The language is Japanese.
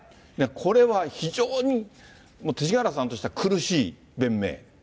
これは非常にもう勅使河原さんとしては苦しい弁明？